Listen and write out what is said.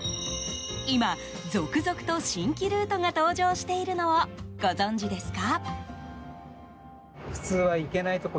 今、続々と新規ルートが登場しているのをご存じですか？